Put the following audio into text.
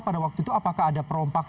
pada waktu itu apakah ada perompak